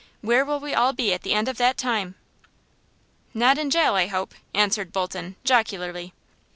Where will we all be at the end of that time?" "Not in jail, I hope," answered Bolton, jocularly.